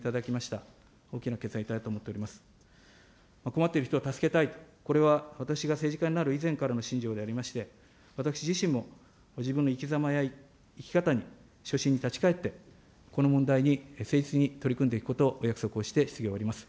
困っている人は助けたい、これは私が政治家になる以前からの信条でありまして、私自身も、自分の生き様や生き方に初心に立ち返って、この問題に誠実に取り組んでいくことをお約束して、質疑を終わります。